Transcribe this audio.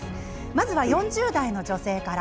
まずは４０代の女性から。